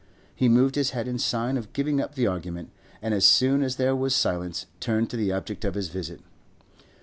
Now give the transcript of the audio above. He moved his head in sign of giving up the argument, and, as soon as there was silence, turned to the object of his visit.